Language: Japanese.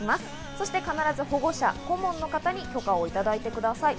そして、必ず保護者・顧問の方に許可をいただいてください。